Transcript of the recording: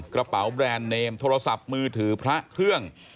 กระเป๋าแบรนด์เนมโทรศัพท์มือถือพระเครื่อง